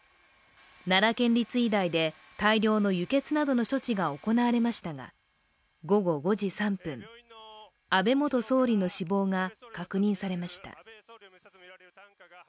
奈良県立医大で大量の輸血などの処置が行われましたが、午後５時３分、安倍元総理の死亡が確認されました。